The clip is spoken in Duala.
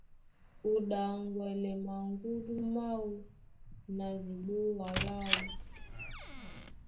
Ó ɗaŋgwɛlɛ maŋgúndú máō na diɓoa láō.